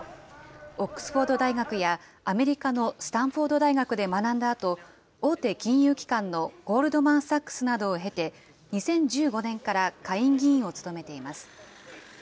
オックスフォード大学やアメリカのスタンフォード大学で学んだあと、大手金融機関のゴールドマン・サックスなどを経て、２０１５年から下院議員を務めています。